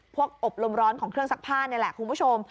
อบรมร้อนของเครื่องซักผ้านี่แหละคุณผู้ชม